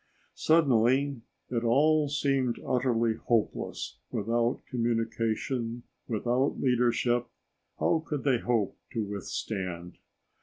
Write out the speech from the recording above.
Suddenly, it all seemed utterly hopeless without communication, without leadership how could they hope to withstand?